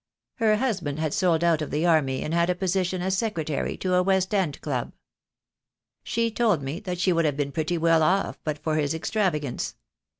Her husband had sold out of the army, and had a position as secretary to a West End club. "She told me that they would have been pretty well off but for his extravagance.